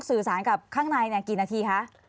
สื่อสารกับข้างในกี่นาทีคะ